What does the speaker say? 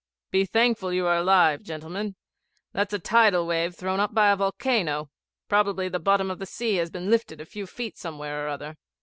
Be thankful you are alive, gentlemen. That's a tidal wave thrown up by a volcano. Probably the bottom of the sea has been lifted a few feet somewhere or other.